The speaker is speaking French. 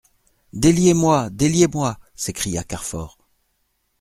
Déliez-moi ! déliez-moi ! s'écria Carfor.